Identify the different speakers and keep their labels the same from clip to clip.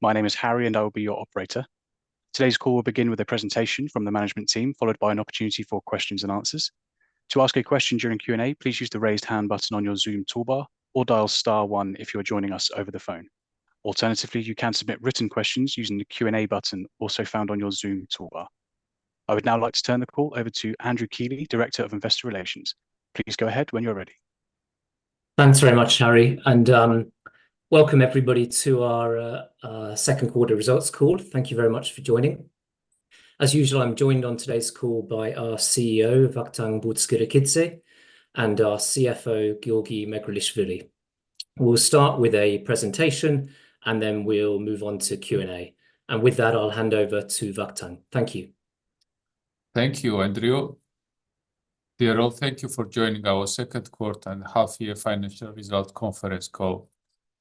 Speaker 1: My name is Harry, and I will be your operator. Today's call will begin with a presentation from the management team, followed by an opportunity for questions and answers. To ask a question during Q&A, please use the raise hand button on your Zoom toolbar or dial star one if you are joining us over the phone. Alternatively, you can submit written questions using the Q&A button, also found on your Zoom toolbar. I would now like to turn the call over to Andrew Keeley, Director of Investor Relations. Please go ahead when you're ready.
Speaker 2: Thanks very much, Harry, and welcome everybody to our second quarter results call. Thank you very much for joining. As usual, I'm joined on today's call by our CEO, Vakhtang Butskhrikidze, and our CFO, Giorgi Megrelishvili. We'll start with a presentation, and then we'll move on to Q&A. And with that, I'll hand over to Vakhtang. Thank you.
Speaker 3: Thank you, Andrew. Dear all, thank you for joining our second quarter and half year financial results conference call.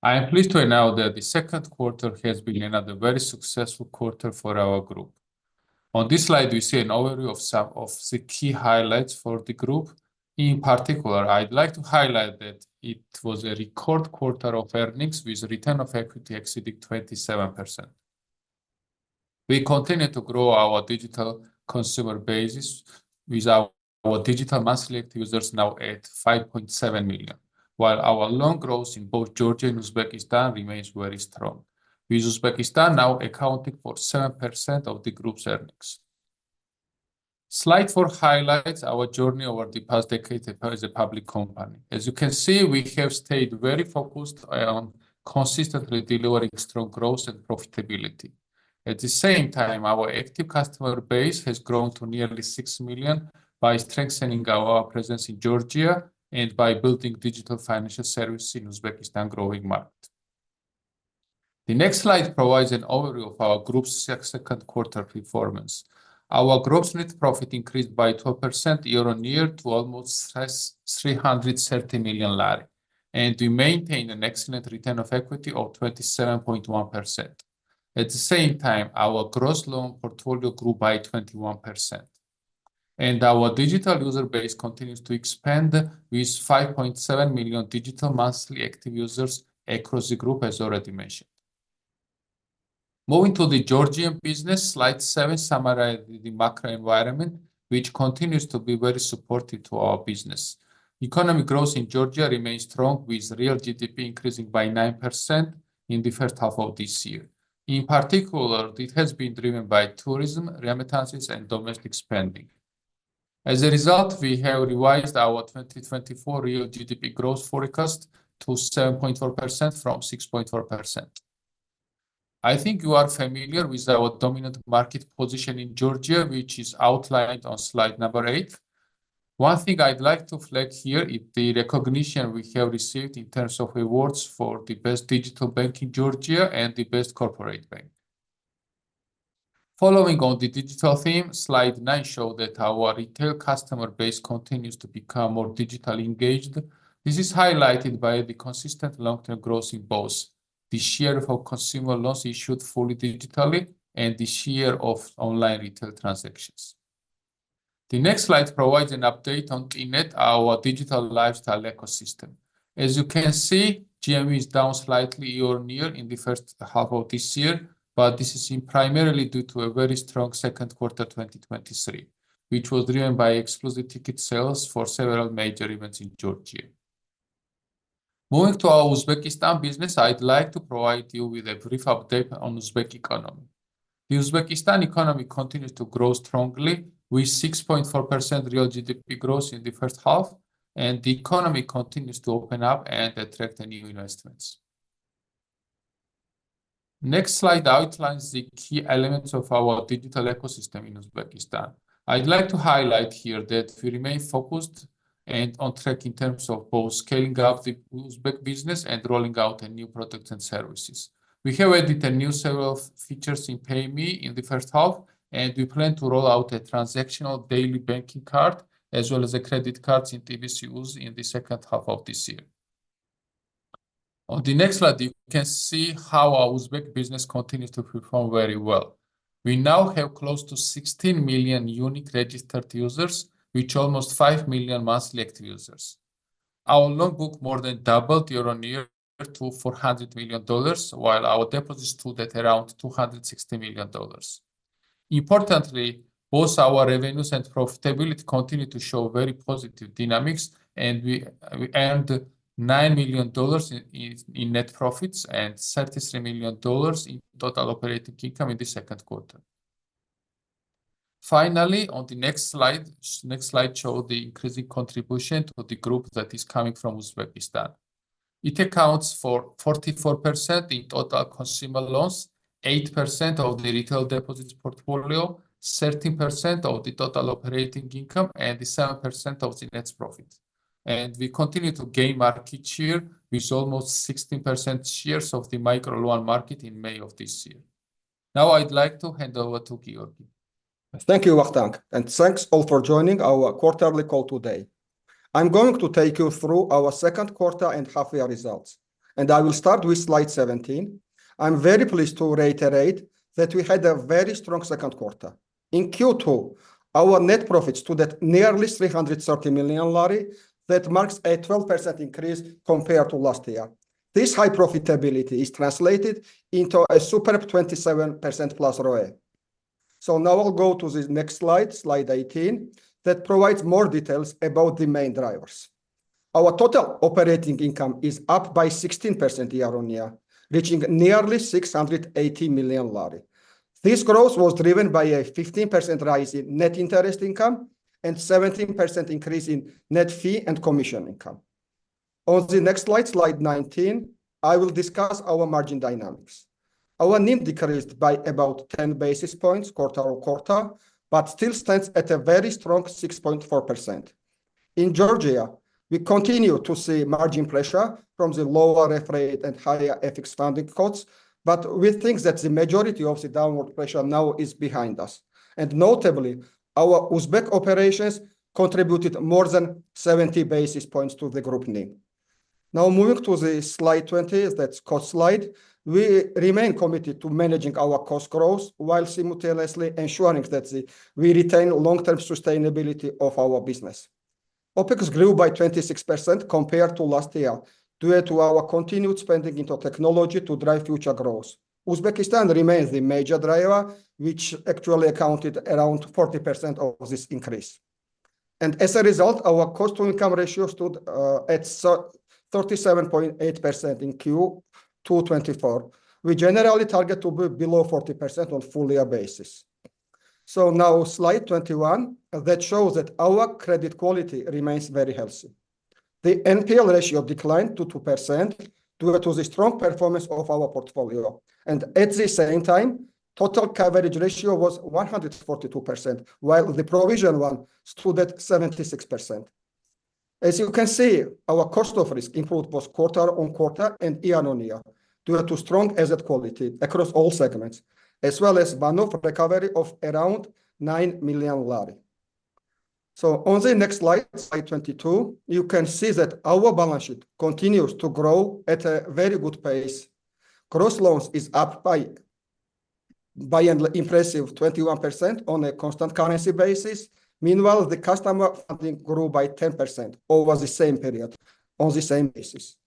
Speaker 3: I am pleased to announce that the second quarter has been another very successful quarter for our group. On this slide, we see an overview of some of the key highlights for the group. In particular, I'd like to highlight that it was a record quarter of earnings, with return on equity exceeding 27%. We continued to grow our digital consumer basis with our digital monthly active users now at 5.7 million, while our loan growth in both Georgia and Uzbekistan remains very strong, with Uzbekistan now accounting for 7% of the group's earnings. Slide four highlights our journey over the past decade as a public company. As you can see, we have stayed very focused on consistently delivering strong growth and profitability. At the same time, our active customer base has grown to nearly 6 million by strengthening our presence in Georgia and by building digital financial services in Uzbekistan growing market. The next slide provides an overview of our group's second quarter performance. Our group's net profit increased by 12% year-on-year to almost GEL 333 million, and we maintain an excellent return on equity of 27.1%. At the same time, our gross loan portfolio grew by 21%, and our digital user base continues to expand, with 5.7 million digital monthly active users across the group, as already mentioned. Moving to the Georgian business, slide seven summarizes the macro environment, which continues to be very supportive to our business. Economic growth in Georgia remains strong, with real GDP increasing by 9% in the first half of this year. In particular, it has been driven by tourism, remittances, and domestic spending. As a result, we have revised our 2024 real GDP growth forecast to 7.4% from 6.4%. I think you are familiar with our dominant market position in Georgia, which is outlined on slide eight. One thing I'd like to flag here is the recognition we have received in terms of awards for the best digital bank in Georgia and the best corporate bank. Following on the digital theme, slide nine show that our retail customer base continues to become more digitally engaged. This is highlighted by the consistent long-term growth in both the share of consumer loans issued fully digitally and the share of online retail transactions. The next slide provides an update on TNET, our digital lifestyle ecosystem. As you can see, GMV is down slightly year-on-year in the first half of this year, but this is primarily due to a very strong second quarter 2023, which was driven by exclusive ticket sales for several major events in Georgia. Moving to our Uzbekistan business, I'd like to provide you with a brief update on Uzbek economy. The Uzbek economy continues to grow strongly, with 6.4% real GDP growth in the first half, and the economy continues to open up and attract new investments. Next slide outlines the key elements of our digital ecosystem in Uzbekistan. I'd like to highlight here that we remain focused and on track in terms of both scaling up the Uzbek business and rolling out new products and services. We have added a new set of features in Payme in the first half, and we plan to roll out a transactional daily banking card, as well as a credit card in TBC UZ in the second half of this year. On the next slide, you can see how our Uzbek business continues to perform very well. We now have close to 16 million unique registered users, with almost 5 million monthly active users. Our loan book more than doubled year-on-year to $400 million, while our deposits stood at around $260 million. Importantly, both our revenues and profitability continue to show very positive dynamics, and we earned $9 million in net profits and $33 million in total operating income in the second quarter. Finally, on the next slide, next slide show the increasing contribution to the group that is coming from Uzbekistan. It accounts for 44% in total consumer loans, 8% of the retail deposits portfolio, 13% of the total operating income, and 7% of the net profit. We continue to gain market share, with almost 16% shares of the micro loan market in May of this year. Now, I'd like to hand over to Giorgi.
Speaker 4: Thank you, Vakhtang, and thanks all for joining our quarterly call today. I'm going to take you through our second quarter and half year results, and I will start with slide 17. I'm very pleased to reiterate that we had a very strong second quarter. In Q2, our net profits stood at nearly GEL 330 million. That marks a 12% increase compared to last year. This high profitability is translated into a superb 27%+ ROE. So now I'll go to the next slide, slide 18, that provides more details about the main drivers. Our total operating income is up by 16% year-on-year, reaching nearly GEL 680 million. This growth was driven by a 15% rise in net interest income and 17% increase in net fee and commission income. On the next slide, slide 19, I will discuss our margin dynamics. Our NIM decreased by about 10 basis points quarter on quarter, but still stands at a very strong 6.4%. In Georgia, we continue to see margin pressure from the lower FX rate and higher equity funding costs, but we think that the majority of the downward pressure now is behind us. And notably, our Uzbek operations contributed more than 70 basis points to the group NIM. Now, moving to the slide 20, that's cost slide, we remain committed to managing our cost growth while simultaneously ensuring that we retain long-term sustainability of our business. OpEx grew by 26% compared to last year, due to our continued spending into technology to drive future growth. Uzbekistan remains the major driver, which actually accounted for around 40% of this increase. As a result, our cost-to-income ratio stood at 37.8% in Q2 2024. We generally target to be below 40% on full-year basis. So now slide 21, that shows that our credit quality remains very healthy. The NPL ratio declined to 2% due to the strong performance of our portfolio, and at the same time, total coverage ratio was 142%, while the provision alone stood at 76%. As you can see, our cost of risk improved both quarter-on-quarter and year-on-year, due to strong asset quality across all segments, as well as one-off recovery of around GEL 9 million. So on the next slide, slide 22, you can see that our balance sheet continues to grow at a very good pace. Gross loans is up by an impressive 21% on a constant currency basis. Meanwhile, the customer funding grew by 10% over the same period on the same basis.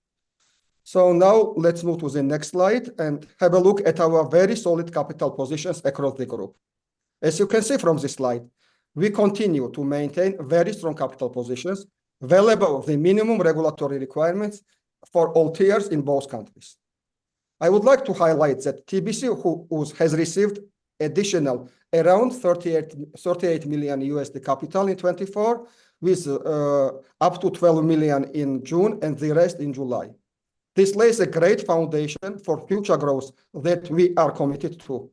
Speaker 4: So now let's move to the next slide and have a look at our very solid capital positions across the group. As you can see from this slide, we continue to maintain very strong capital positions, well above the minimum regulatory requirements for all tiers in both countries. I would like to highlight that TBC UZ has received additional around $38 million in capital in 2024, with up to $12 million in June and the rest in July. This lays a great foundation for future growth that we are committed to.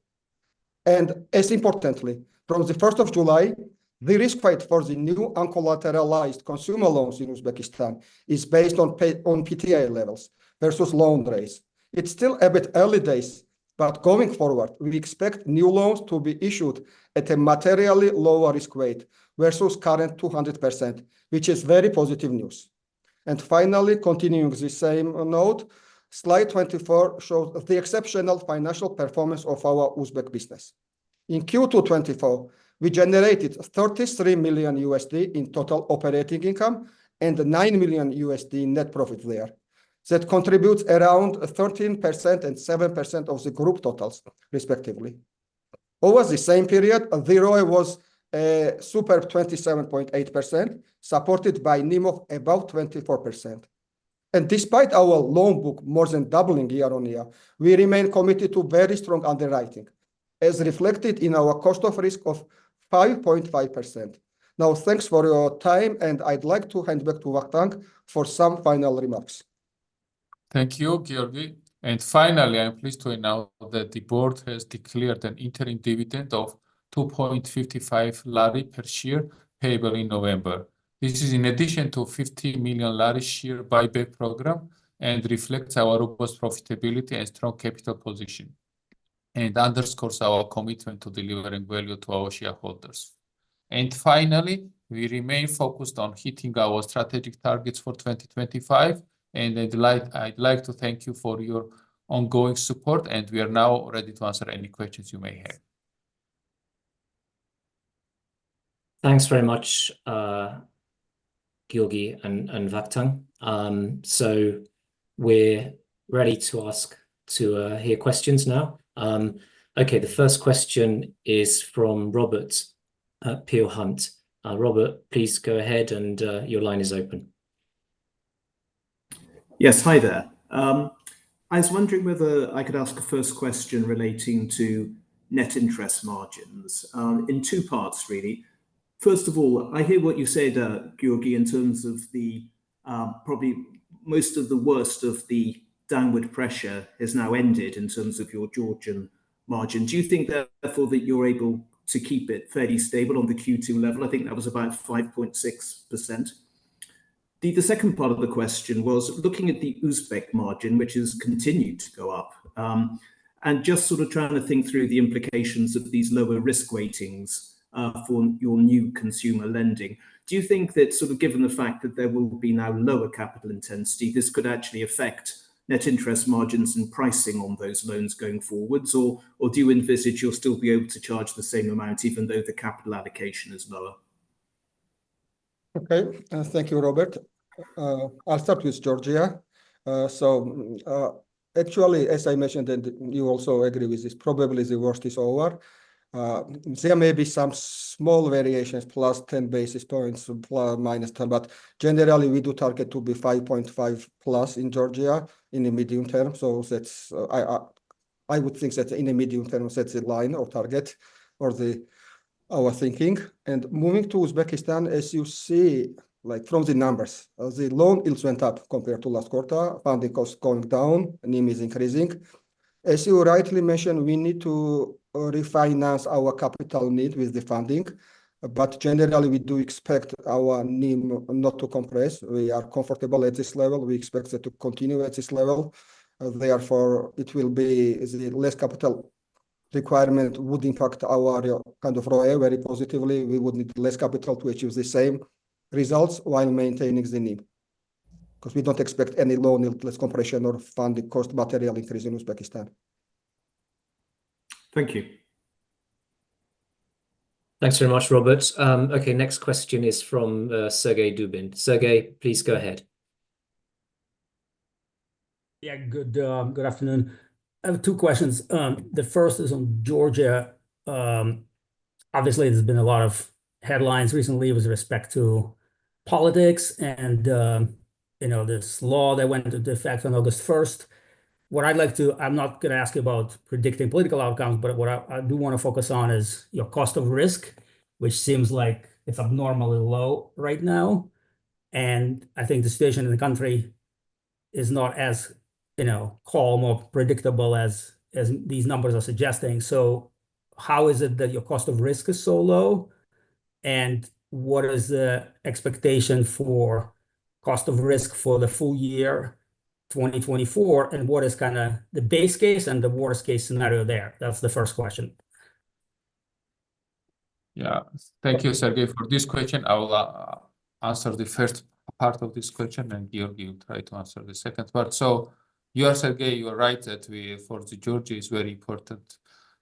Speaker 4: As importantly, from the first of July, the risk weight for the new uncollateralized consumer loans in Uzbekistan is based on Payme on PTI levels versus loan rates. It's still a bit early days, but going forward, we expect new loans to be issued at a materially lower risk weight versus current 200%, which is very positive news. Finally, continuing the same note, slide 24 shows the exceptional financial performance of our Uzbek business. In Q2 2024, we generated $33 million in total operating income and $9 million in net profit there. That contributes around 13% and 7% of the group totals, respectively. Over the same period, the ROE was super 27.8%, supported by NIM of about 24%. Despite our loan book more than doubling year-on-year, we remain committed to very strong underwriting, as reflected in our cost of risk of 5.5%. Now, thanks for your time, and I'd like to hand back to Vakhtang for some final remarks.
Speaker 3: Thank you, Giorgi. And finally, I'm pleased to announce that the board has declared an interim dividend of GEL 2.55 per share, payable in November. This is in addition to 50 million GEL share buyback program and reflects our robust profitability and strong capital position, and underscores our commitment to delivering value to our shareholders. And finally, we remain focused on hitting our strategic targets for 2025, and I'd like, I'd like to thank you for your ongoing support, and we are now ready to answer any questions you may have.
Speaker 2: Thanks very much, Giorgi and Vakhtang. So we're ready to hear questions now. Okay, the first question is from Robert at Peel Hunt. Robert, please go ahead and your line is open.
Speaker 5: Yes. Hi there. I was wondering whether I could ask a first question relating to net interest margins, in two parts, really. First of all, I hear what you say there, Giorgi, in terms of the, probably most of the worst of the downward pressure has now ended in terms of your Georgian margin. Do you think therefore, that you're able to keep it fairly stable on the Q2 level? I think that was about 5.6%. The second part of the question was looking at the Uzbek margin, which has continued to go up, and just sort of trying to think through the implications of these lower risk weightings, for your new consumer lending. Do you think that sort of given the fact that there will be now lower capital intensity, this could actually affect net interest margins and pricing on those loans going forwards, or, or do you envisage you'll still be able to charge the same amount, even though the capital allocation is lower?
Speaker 4: Okay, thank you, Robert. I'll start with Georgia. So, actually, as I mentioned, and you also agree with this, probably the worst is over. There may be some small variations, plus ten basis points, plus or minus ten, but generally we do target to be 5.5+ in Georgia in the medium term. So that's, I would think that in the medium term, sets the line of target for our thinking. And moving to Uzbekistan, as you see, like from the numbers, the loan yields went up compared to last quarter, funding cost going down, NIM is increasing. As you rightly mentioned, we need to refinance our capital need with the funding, but generally we do expect our NIM not to compress. We are comfortable at this level. We expect it to continue at this level, therefore, it will be the less capital requirement would impact our kind of ROE very positively. We would need less capital to achieve the same results while maintaining the NIM, 'cause we don't expect any loan compression or funding cost materially increase in Uzbekistan.
Speaker 5: Thank you.
Speaker 2: Thanks very much, Robert. Okay, next question is from Sergey Dubin. Sergey, please go ahead.
Speaker 6: Yeah, good, good afternoon. I have two questions. The first is on Georgia. Obviously, there's been a lot of headlines recently with respect to politics and, you know, this law that went into effect on August first. What I'd like to, I'm not going to ask you about predicting political outcomes, but what I do want to focus on is your cost of risk, which seems like it's abnormally low right now, and I think the situation in the country is not as, you know, calm or predictable as these numbers are suggesting. So how is it that your cost of risk is so low? And what is the expectation for cost of risk for the full year 2024? And what is kind of the base case and the worst-case scenario there? That's the first question.
Speaker 3: Yeah. Thank you, Sergey, for this question. I will answer the first part of this question, and Giorgi will try to answer the second part. So you are, Sergey, you are right that we, for the Georgia, is very important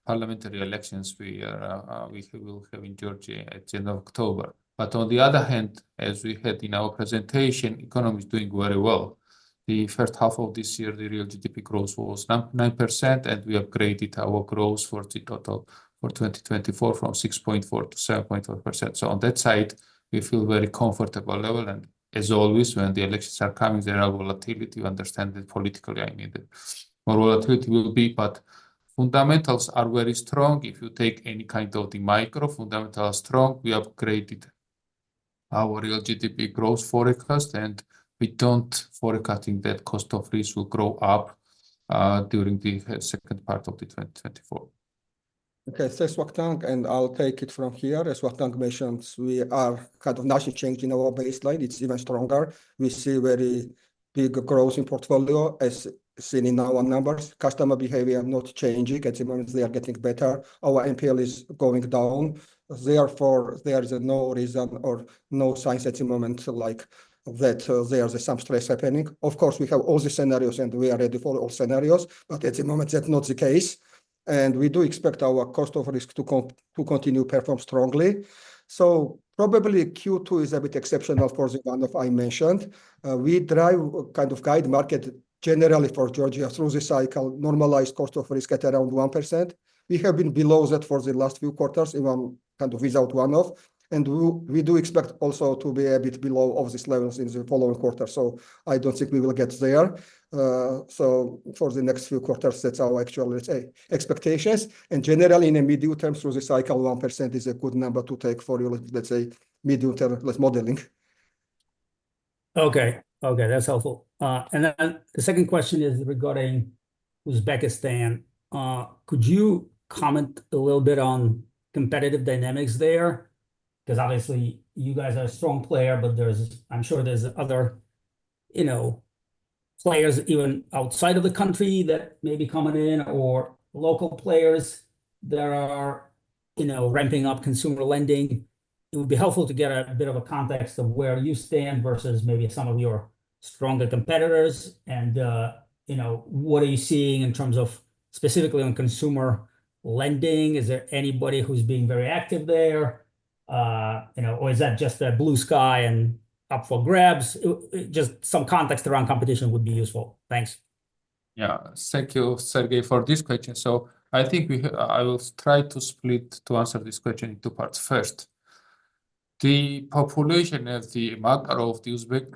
Speaker 3: parliamentary elections we are, we will have in Georgia at the end of October. But on the other hand, as we had in our presentation, economy is doing very well. The first half of this year, the real GDP growth was 9.9%, and we upgraded our growth for the total for 2024 from 6.4% to 7.4%. So on that side, we feel very comfortable level, and as always, when the elections are coming, there are volatility. You understand it politically, I mean, more volatility will be, but fundamentals are very strong. If you take any kind of the macro, fundamentals are strong. We upgraded our real GDP growth forecast, and we don't forecasting that Cost of Risk will grow up during the second part of 2024.
Speaker 4: Okay, thanks, Vakhtang, and I'll take it from here. As Vakhtang mentions, we are kind of not changing our baseline. It's even stronger. We see very big growth in portfolio, as seen in our numbers. Customer behavior not changing. At the moment, they are getting better. Our NPL is going down, therefore, there is no reason or no signs at the moment like that there is some stress happening. Of course, we have all the scenarios, and we are ready for all scenarios, but at the moment that's not the case, and we do expect our cost of risk to continue to perform strongly. So probably Q2 is a bit exceptional for the one that I mentioned. We drive kind of guide market generally for Georgia through the cycle, normalized cost of risk at around 1%. We have been below that for the last few quarters, even kind of without one-off, and we do expect also to be a bit below of these levels in the following quarter. So I don't think we will get there. So for the next few quarters, that's our actual, let's say, expectations, and generally in the medium term through the cycle, 1% is a good number to take for your, let's say, medium-term risk modeling.
Speaker 6: Okay. Okay, that's helpful. And then the second question is regarding Uzbekistan. Could you comment a little bit on competitive dynamics there? 'Cause obviously you guys are a strong player, but there's... I'm sure there's other, you know, players even outside of the country that may be coming in, or local players that are, you know, ramping up consumer lending. It would be helpful to get a bit of a context of where you stand versus maybe some of your stronger competitors. And, you know, what are you seeing in terms of specifically on consumer lending? Is there anybody who's being very active there? You know, or is that just a blue sky and up for grabs? Just some context around competition would be useful. Thanks.
Speaker 3: Yeah. Thank you, Sergey, for this question. So I think we, I will try to split to answer this question in two parts. First, the population of the market of the Uzbek,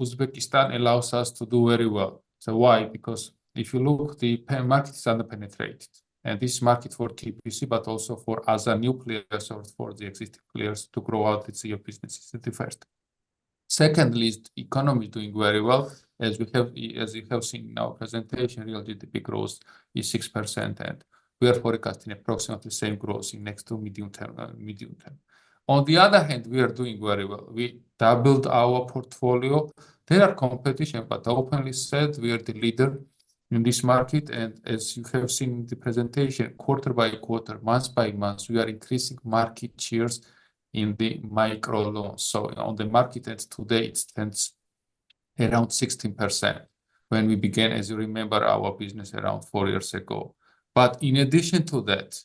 Speaker 3: Uzbekistan allows us to do very well. So why? Because if you look, the market is under penetrated, and this market for TBC, but also for other new players or for the existing players to grow out its year businesses is the first. Secondly, economy is doing very well, as we have, as you have seen in our presentation, real GDP growth is 6%, and we are forecasting approximately the same growth in next to medium term, medium term. On the other hand, we are doing very well. We doubled our portfolio. There is competition, but openly said, we are the leader in this market, and as you have seen in the presentation, quarter by quarter, month by month, we are increasing market shares in the micro loan. So on the market that today, it stands around 16% when we began, as you remember, our business around 4 years ago. But in addition to that,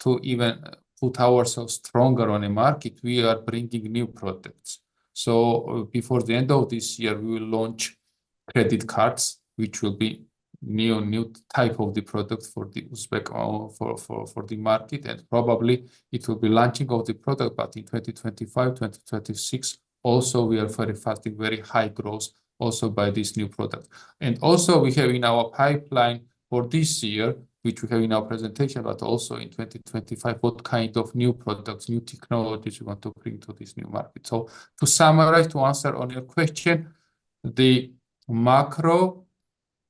Speaker 3: to even put ourselves stronger on the market, we are bringing new products. So, before the end of this year, we will launch credit cards, which will be new, new type of the product for the Uzbek, for the market, and probably it will be launching of the product, but in 2025, 2026 also we are very fast in, very high growth also by this new product. Also we have in our pipeline for this year, which we have in our presentation, but also in 2025, what kind of new products, new technologies we want to bring to this new market. To summarize, to answer on your question, the macro,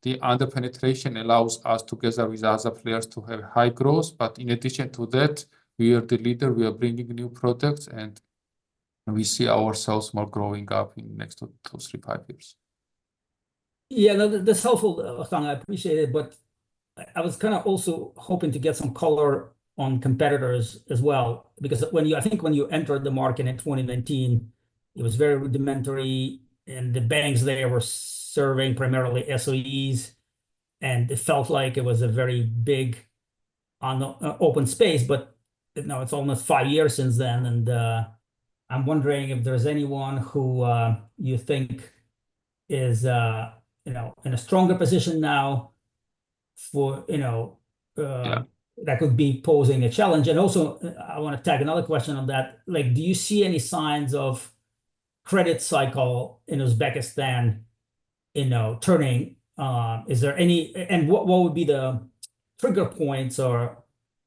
Speaker 3: the under-penetration allows us, together with other players, to have high growth. But in addition to that, we are the leader, we are bringing new products, and we see ourselves more growing up in the next 2 years-3 years, 5 years.
Speaker 6: Yeah, no, that's helpful, Vakhtang. I appreciate it. But I was kind of also hoping to get some color on competitors as well, because when you—I think when you entered the market in 2019, it was very rudimentary, and the banks there were serving primarily SOEs, and it felt like it was a very big open space. But, you know, it's almost five years since then, and I'm wondering if there's anyone who you think is, you know, in a stronger position now for, you know-
Speaker 3: Yeah
Speaker 6: That could be posing a challenge. And also, I want to tag another question on that. Like, do you see any signs of credit cycle in Uzbekistan, you know, turning? And what would be the trigger points or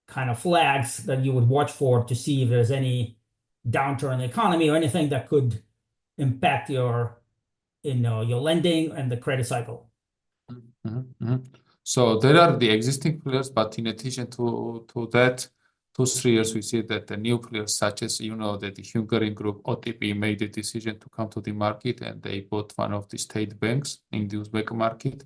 Speaker 6: kind of flags that you would watch for to see if there's any downturn in the economy or anything that could impact your, you know, your lending and the credit cycle?
Speaker 3: Mm-hmm, mm-hmm. So there are the existing players, but in addition to that, those three years, we see that the new players, such as, you know, the Hungarian group, OTP, made a decision to come to the market, and they bought one of the state banks in the Uzbek market.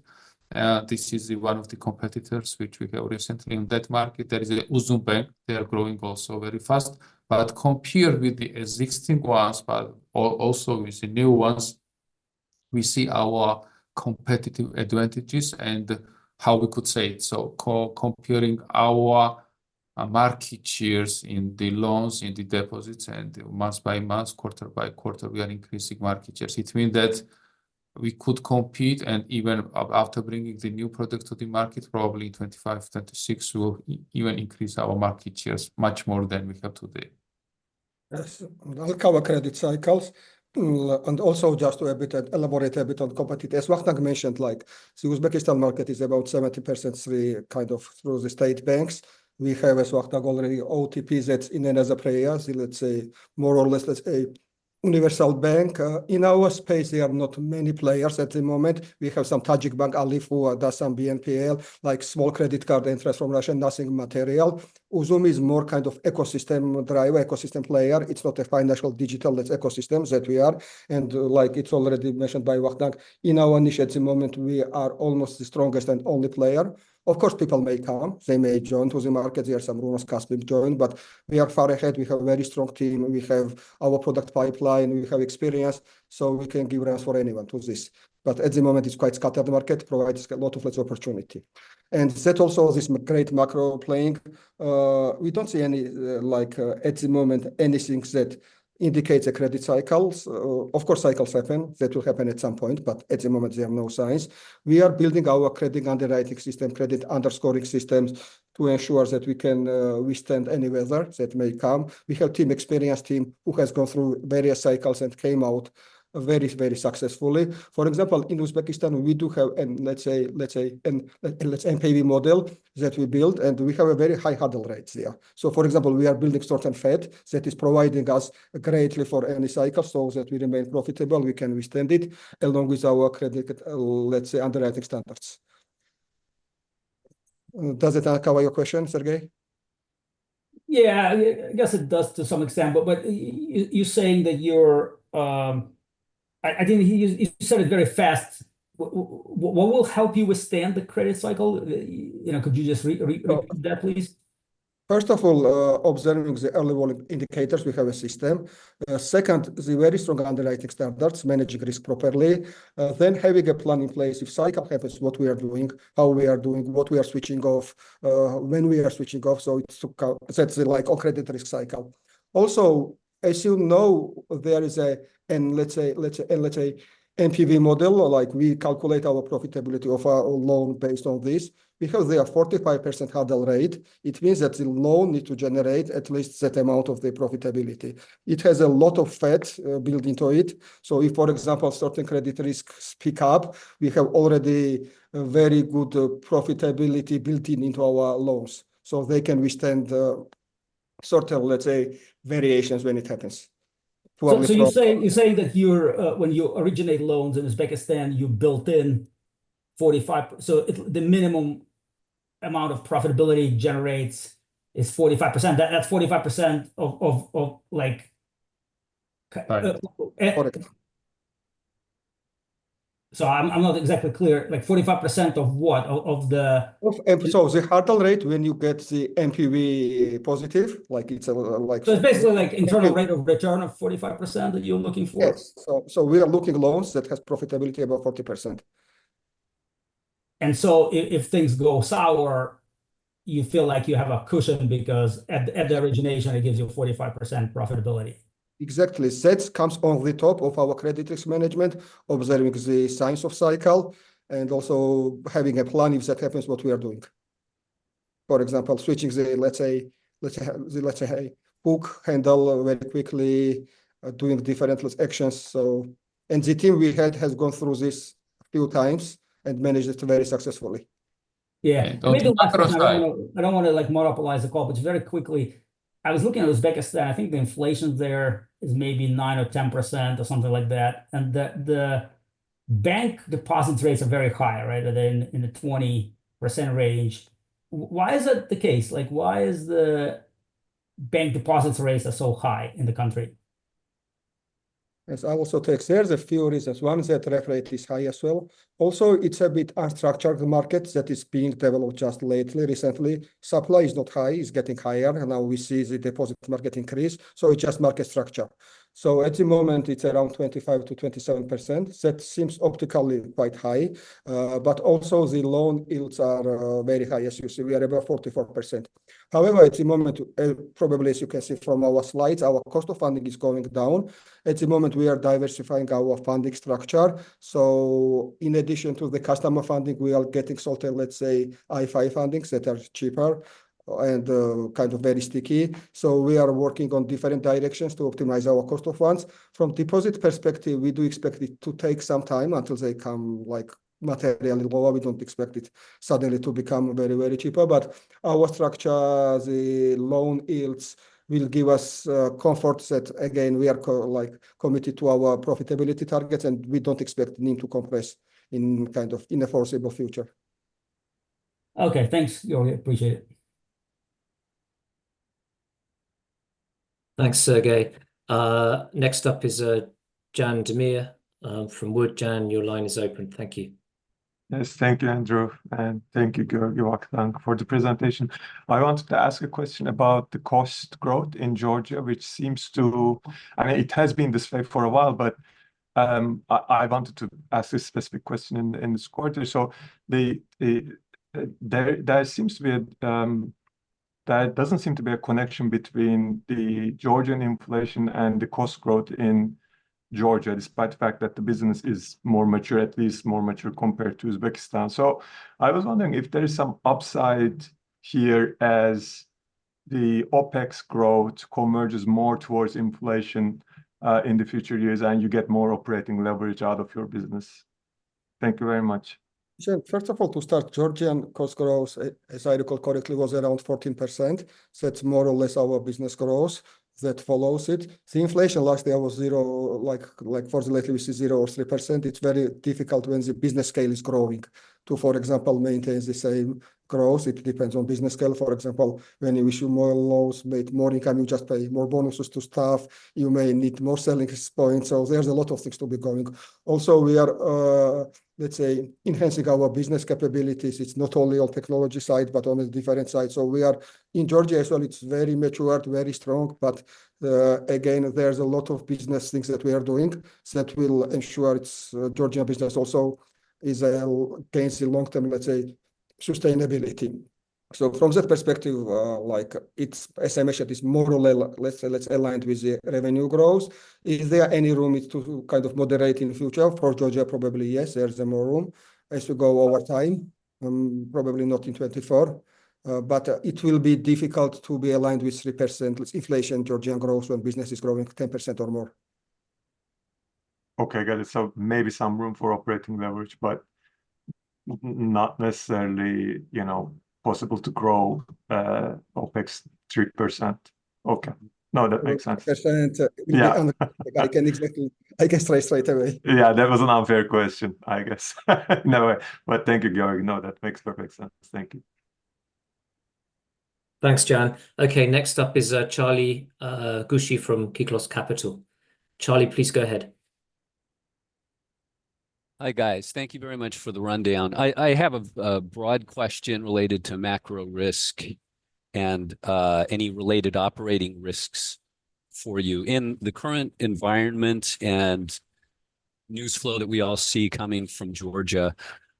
Speaker 3: This is one of the competitors which we have recently in that market. There is the Uzum Bank. They are growing also very fast. But compared with the existing ones, but also with the new ones, we see our competitive advantages and how we could say it. So comparing our market shares in the loans, in the deposits, and month by month, quarter by quarter, we are increasing market shares. It means that we could compete, and even after bringing the new products to the market, probably 2025, 2026, we'll even increase our market shares much more than we have today.
Speaker 4: Yes, that cover credit cycles. And also just to a bit, elaborate a bit on competitive, as Vakhtang mentioned, like, the Uzbekistan market is about 70%, we kind of through the state banks. We have, as Vakhtang already, OTP that's in another player, let's say more or less, let's say, Universal Bank. In our space, there are not many players at the moment. We have some Tajik Bank, Alif, who does some BNPL, like small credit card entries from Russia, nothing material. Uzum is more kind of ecosystem driver, ecosystem player. It's not a financial digital, it's ecosystems that we are. And like it's already mentioned by Vakhtang, in our niche, at the moment, we are almost the strongest and only player. Of course, people may come, they may join to the market. There are some rumors Kaspi join, but we are far ahead. We have a very strong team, and we have our product pipeline, we have experience, so we can give rise for anyone to this. But at the moment, it's quite scattered market, provides a lot of less opportunity. And that also, this great macro playing, we don't see any, at the moment, anything that indicates a credit cycles. Of course, cycles happen, that will happen at some point, but at the moment, there are no signs. We are building our credit underwriting system, credit scoring systems, to ensure that we can withstand any weather that may come. We have team, experienced team who has gone through various cycles and came out very, very successfully. For example, in Uzbekistan, we do have, let's say, an NPV model that we built, and we have a very high hurdle rates there. For example, we are building certain buffer that is providing us buffer for any cycle so that we remain profitable, we can withstand it, along with our credit, let's say, underwriting standards. Does it cover your question, Sergey?
Speaker 6: Yeah, I guess it does to some extent. But you're saying that you're... I think you said it very fast. What will help you withstand the credit cycle? You know, could you just repeat that, please?
Speaker 4: First of all, observing the early warning indicators, we have a system. Second, the very strong underwriting standards, managing risk properly. Then having a plan in place if cycle happens, what we are doing, how we are doing, what we are switching off, when we are switching off. So it's, that's like a credit risk cycle. Also, as you know, there is a, and let's say, let's, and let's say NPV model, or like we calculate our profitability of our loan based on this. Because they are 45% hurdle rate, it means that the loan need to generate at least that amount of the profitability. It has a lot of fat built into it. So if, for example, certain credit risks pick up, we have already a very good profitability built in into our loans, so they can withstand, sort of, let's say, variations when it happens for-
Speaker 6: So, you're saying that you're, when you originate loans in Uzbekistan, you built in 45%-- so it-- the minimum amount of profitability generates is 45%. That's 45% of, of, of, like-
Speaker 4: 40%.
Speaker 6: So I'm not exactly clear, like, 45% of what? Of the-
Speaker 4: So, the hurdle rate when you get the NPV positive, like, it's, like-
Speaker 6: So it's basically like internal rate of return of 45% that you're looking for?
Speaker 4: Yes. So, so we are looking loans that has profitability above 40%.
Speaker 6: If things go sour, you feel like you have a cushion because at the origination it gives you a 45% profitability?
Speaker 4: Exactly. That comes on the top of our credit risk management, observing the signs of cycle, and also having a plan if that happens, what we are doing. For example, switching the, let's say, book growth very quickly, doing different actions. So, and the team we had has gone through this a few times and managed it very successfully.
Speaker 6: Yeah.
Speaker 2: Okay-
Speaker 6: I don't wanna like monopolize the call, but very quickly, I was looking at Uzbekistan. I think the inflation there is maybe 9% or 10% or something like that, and the bank deposit rates are very high, right? They're in the 20% range. Why is that the case? Like, why are the bank deposit rates so high in the country?
Speaker 4: Yes, I also take... There's a few reasons. One, that rate is high as well. Also, it's a bit unstructured, the market, that is being developed just lately, recently. Supply is not high, it's getting higher, and now we see the deposit market increase, so it's just market structure. So at the moment it's around 25%-27%. That seems optically quite high, but also the loan yields are very high. As you see, we are above 44%. However, at the moment, probably as you can see from our slides, our cost of funding is going down. At the moment, we are diversifying our funding structure, so in addition to the customer funding, we are getting sort of, let's say, IFI fundings that are cheaper and kind of very sticky. So we are working on different directions to optimize our cost of funds. From deposit perspective, we do expect it to take some time until they come, like, materially lower. We don't expect it suddenly to become very, very cheaper. But our structure, the loan yields, will give us comfort that, again, we are like, committed to our profitability targets, and we don't expect them to compress in kind of, in the foreseeable future.
Speaker 6: Okay, thanks, Giorgi. Appreciate it.
Speaker 2: Thanks, Sergey. Next up is Can Demir from Wood. Can, your line is open. Thank you.
Speaker 6: Yes, thank you, Andrew, and thank you, Giorgi and Vakhtang, for the presentation. I wanted to ask a question about the cost growth in Georgia, which seems to... I mean, it has been this way for a while, but I wanted to ask a specific question in this quarter. So there seems to be... There doesn't seem to be a connection between the Georgian inflation and the cost growth in Georgia, despite the fact that the business is more mature, at least more mature compared to Uzbekistan. So I was wondering if there is some upside here as the OpEx growth converges more towards inflation in the future years, and you get more operating leverage out of your business. Thank you very much.
Speaker 4: So first of all, to start, Georgian cost growth, as I recall correctly, was around 14%, so that's more or less our business growth that follows it. The inflation lately was zero, like, for the lately we see 0% or 3%. It's very difficult when the business scale is growing to, for example, maintain the same growth. It depends on business scale. For example, when you issue more loans, make more income, you just pay more bonuses to staff, you may need more selling points. So there's a lot of things to be going. Also, we are, let's say, enhancing our business capabilities. It's not only on technology side, but on a different side. So we are... In Georgia as well, it's very mature, very strong, but, again, there's a lot of business things that we are doing that will ensure its, Georgia business also is, in the long term, let's say, sustainability. So from that perspective, like, it's, as I mentioned, it's more or less, let's say, aligned with the revenue growth. Is there any room to kind of moderate in the future? For Georgia, probably yes, there's more room as we go over time, probably not in 2024. But it will be difficult to be aligned with 3% inflation Georgian growth when business is growing 10% or more.
Speaker 6: Okay, got it. So maybe some room for operating leverage, but not necessarily, you know, possible to grow OpEx 3%. Okay. No, that makes sense.
Speaker 4: Yeah, I can say straight away.
Speaker 7: Yeah, that was an unfair question, I guess. No, but thank you, Giorgi. No, that makes perfect sense. Thank you.
Speaker 2: Thanks, Can. Okay, next up is Charlie Gausden from Kyklos Capital. Charlie, please go ahead.
Speaker 6: Hi, guys. Thank you very much for the rundown. I have a broad question related to macro risk and any related operating risks for you. In the current environment and news flow that we all see coming from Georgia,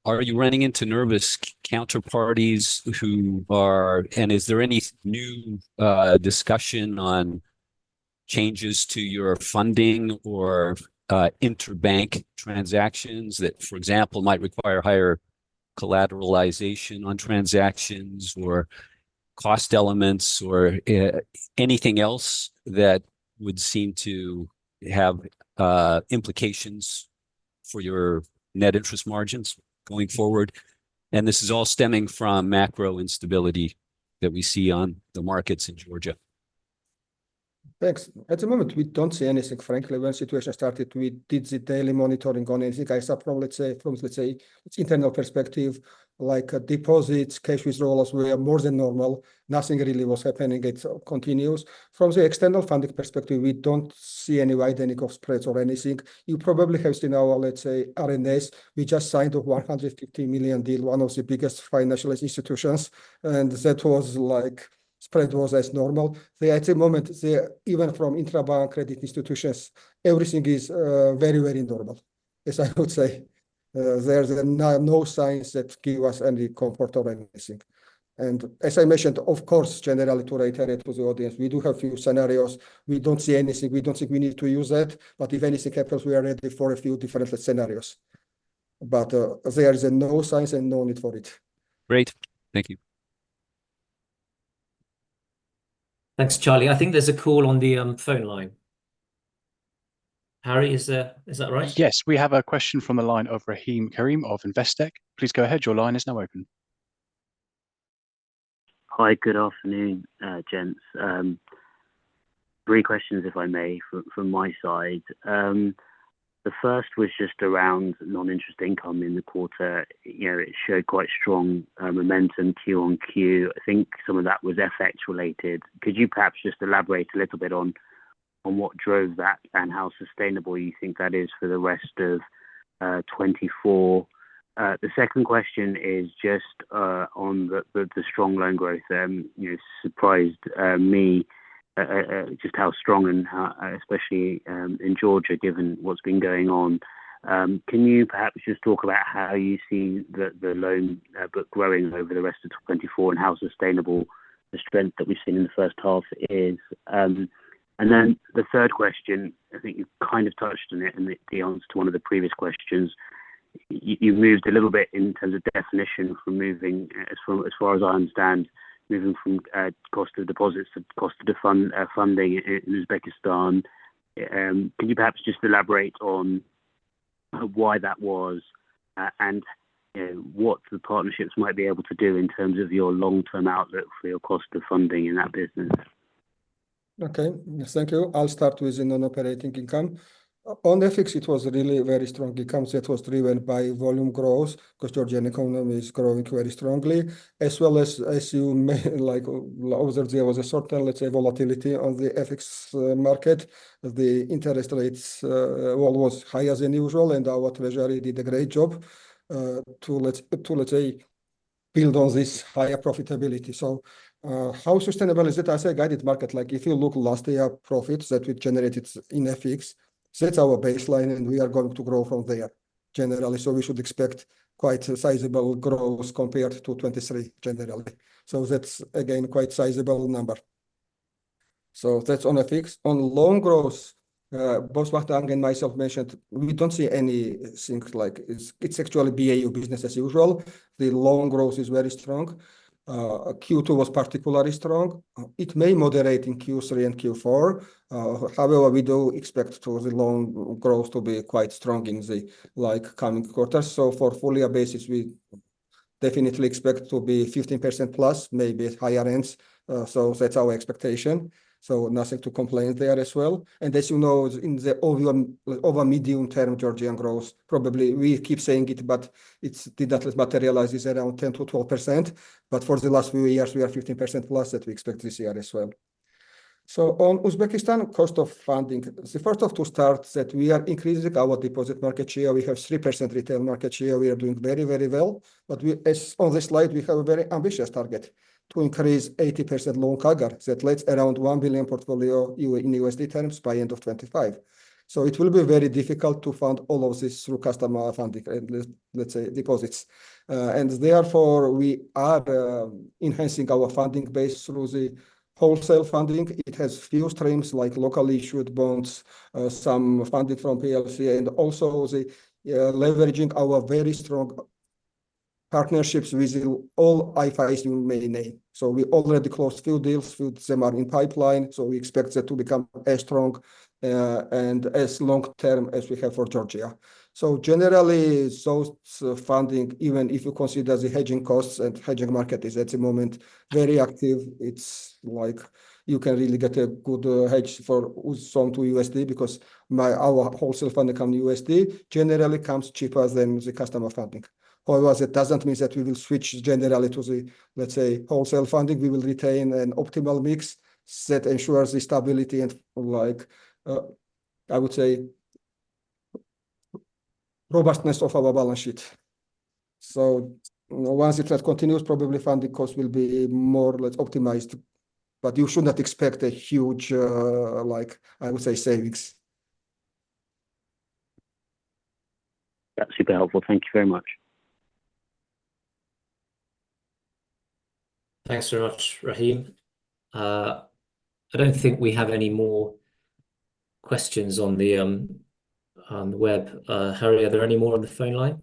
Speaker 6: are you running into nervous counterparties who are... And is there any new discussion on changes to your funding or interbank transactions that, for example, might require higher collateralization on transactions or cost elements, or anything else that would seem to have implications for your net interest margins going forward? This is all stemming from macro instability that we see on the markets in Georgia.
Speaker 4: Thanks. At the moment, we don't see anything, frankly. When situation started, we did the daily monitoring on anything. I saw from, let's say, internal perspective, like, deposits, cash withdrawals were more than normal. Nothing really was happening, it continues. From the external funding perspective, we don't see any widening of spreads or anything. You probably have seen our, let's say, RNS. We just signed a $150 million deal, one of the biggest financial institutions, and that was like spread was as normal. At the moment, even from intrabank credit institutions, everything is very, very normal. As I would say, there's no signs that give us any comfort or anything. And as I mentioned, of course, generally, to reiterate to the audience, we do have a few scenarios. We don't see anything, we don't think we need to use it, but if anything happens, we are ready for a few different scenarios. But, there is no signs and no need for it.
Speaker 3: Great. Thank you.
Speaker 1: Thanks, Charlie. I think there's a call on the phone line. Harry, is that, is that right? Yes, we have a question from the line of Rahim Karim of Investec. Please go ahead, your line is now open.
Speaker 8: Hi, good afternoon, gents. Three questions, if I may, from my side. The first was just around non-interest income in the quarter. You know, it showed quite strong momentum Q on Q. I think some of that was FX related. Could you perhaps just elaborate a little bit on what drove that and how sustainable you think that is for the rest of 2024? The second question is just on the strong loan growth. You know, surprised me just how strong and how especially in Georgia, given what's been going on. Can you perhaps just talk about how you see the loan book growing over the rest of 2024, and how sustainable the strength that we've seen in the first half is? And then the third question, I think you've kind of touched on it in the answer to one of the previous questions. You've moved a little bit into the definition, as far as I understand, moving from cost of deposits to cost of funding in Uzbekistan. Can you perhaps just elaborate on why that was, and what the partnerships might be able to do in terms of your long-term outlook for your cost of funding in that business?
Speaker 4: Okay, yes, thank you. I'll start with the non-operating income. On FX, it was really a very strong income that was driven by volume growth, 'cause Georgian economy is growing very strongly, as well as, as you may like, observe, there was a certain, let's say, volatility on the FX market. The interest rates were almost higher than usual, and our treasury did a great job to let's say build on this higher profitability. So, how sustainable is it? As a guided market, like, if you look last year profits that we generated in FX, that's our baseline, and we are going to grow from there generally. So we should expect quite a sizable growth compared to 2023 generally. So that's again, quite sizable number. So that's on FX. On loan growth, both Vakhtang and myself mentioned, we don't see any things like. It's, it's actually BAU, business as usual. The loan growth is very strong. Q2 was particularly strong. It may moderate in Q3 and Q4. However, we do expect to the loan growth to be quite strong in the, like, coming quarters. So for full year basis, we definitely expect to be 15%+, maybe at higher ends. So that's our expectation, so nothing to complain there as well. And as you know, in the over, over medium-term Georgian growth, probably we keep saying it, but it's did not materialize this around 10%-12%, but for the last few years, we are 15%+ that we expect this year as well. So on Uzbekistan cost of funding, the first off to start, that we are increasing our deposit market share. We have 3% retail market share. We are doing very, very well, but we, as on this slide, we have a very ambitious target to increase 80% loan CAGR. That's around $1 billion portfolio in USD terms by end of 2025. So it will be very difficult to fund all of this through customer funding and, let's say, deposits. And therefore, we are enhancing our funding base through the wholesale funding. It has few streams, like locally issued bonds, some funded from PLC, and also the leveraging our very strong partnerships with all IFIs you may name. So we already closed a few deals, with some are in pipeline, so we expect that to become as strong and as long term as we have for Georgia. Generally, funding, even if you consider the hedging costs, and hedging market is, at the moment, very active. It's like you can really get a good hedge from GEL to USD because our wholesale funding comes in USD, generally comes cheaper than the customer funding. However, that doesn't mean that we will switch generally to the, let's say, wholesale funding. We will retain an optimal mix that ensures the stability and, like, I would say, robustness of our balance sheet. Once it continues, probably funding cost will be more or less optimized, but you should not expect a huge, like, I would say, savings.
Speaker 8: That's super helpful. Thank you very much.
Speaker 2: Thanks very much, Rahim. I don't think we have any more questions on the web. Harry, are there any more on the phone line?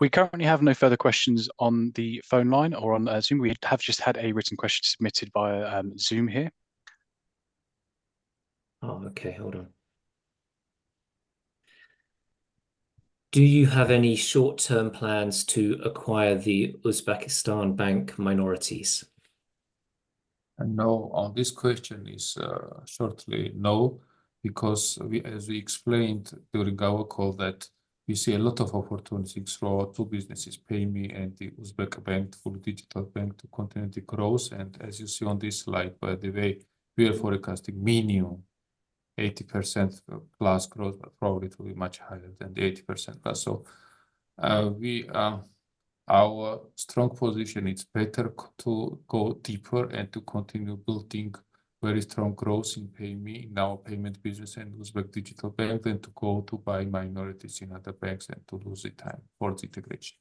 Speaker 1: We currently have no further questions on the phone line or on Zoom. We have just had a written question submitted via Zoom here.
Speaker 9: Oh, okay. Hold on.
Speaker 2: Do you have any short-term plans to acquire the Uzbekistan bank minorities?
Speaker 3: No. On this question is, shortly no, because we, as we explained during our call, that we see a lot of opportunities for our two businesses, Payme and the Uzbek bank, for digital bank to continue the growth. And as you see on this slide, by the way, we are forecasting minimum 80%+ growth, but probably it will be much higher than the 80%+. So, we, our strong position, it's better to go deeper and to continue building very strong growth in Payme, in our payment business, and Uzbek digital bank, than to go to buy minorities in other banks and to lose the time for integration.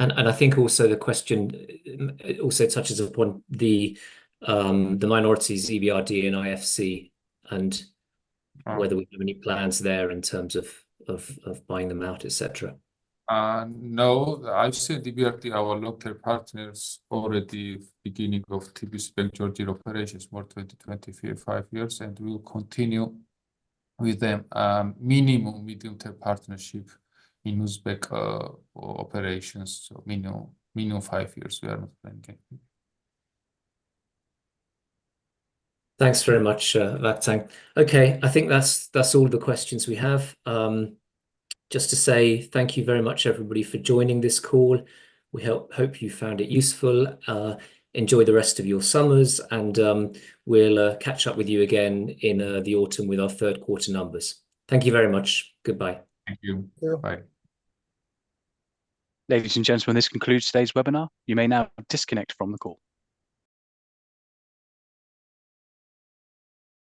Speaker 3: I think also the question also touches upon the minorities, EBRD and IFC, and- Mm.
Speaker 2: whether we have any plans there in terms of buying them out, et cetera.
Speaker 3: No. IFC and EBRD are our long-term partners already beginning of TBC Bank Georgia operations, more 20 years, 25 years, and we will continue with them, minimum medium-term partnership in Uzbekistan operations. So minimum, minimum 5 years, we are not planning anything.
Speaker 2: Thanks very much, Vakhtang. Okay, I think that's all the questions we have. Just to say thank you very much, everybody, for joining this call. We hope you found it useful. Enjoy the rest of your summers, and we'll catch up with you again in the autumn with our third quarter numbers. Thank you very much. Goodbye.
Speaker 3: Thank you.
Speaker 9: Thank you.
Speaker 3: Bye.
Speaker 10: Ladies and gentlemen, this concludes today's webinar. You may now disconnect from the call.